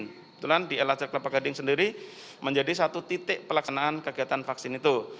kebetulan di lhc kelapa gading sendiri menjadi satu titik pelaksanaan kegiatan vaksin itu